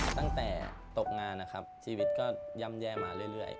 ตั้งแต่ตกงานนะครับชีวิตก็ย่ำแย่มาเรื่อย